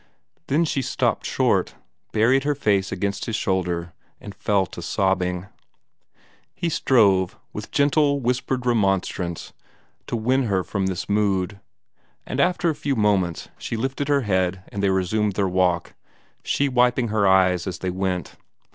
Then she stopped short, buried her face against his shoulder, and fell to sobbing. He strove with gentle, whispered remonstrance to win her from this mood, and after a few moments she lifted her head and they resumed their walk, she wiping her eyes as they went.